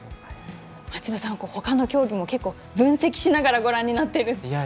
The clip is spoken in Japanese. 町田さん、ほかの競技も結構分析しながらご覧になって。